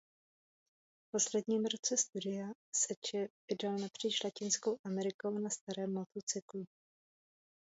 V posledním roce studia se Che vydal napříč Latinskou Amerikou na starém motocyklu.